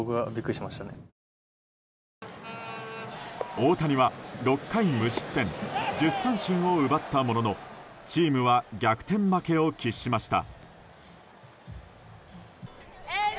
大谷は６回無失点１０三振を奪ったもののチームは逆転負けを喫しました。